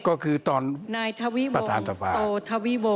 ก็คือตอนประธานทราบ